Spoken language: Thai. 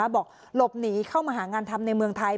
บอกหลบหนีเข้ามาหางานทำในเมืองไทย